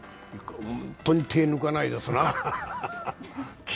本当に手を抜かないですな。